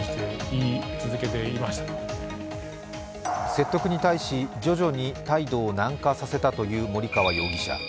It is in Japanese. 説得に対し、徐々に態度を軟化させたという森川容疑者。